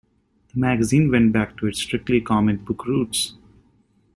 The magazine went back to its strictly comic book roots.